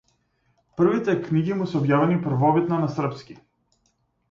Првите книги му се објавени првобитно на српски.